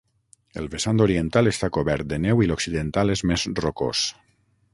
El vessant oriental està cobert de neu i l'occidental és més rocós.